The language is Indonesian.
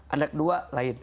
anak dua lain